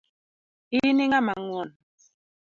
In ing'ama ngwon.